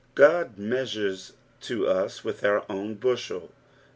Ood mei Burcs to us with our own bushel.